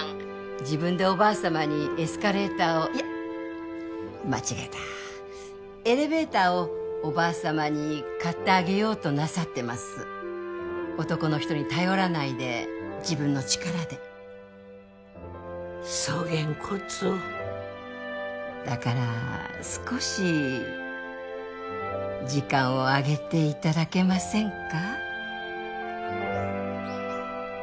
自分でおばあ様にエスカレーターをいや間違えたエレベーターをおばあ様に買ってあげようとなさってます男の人に頼らないで自分の力でそげんこつをだから少し時間をあげていただけませんか？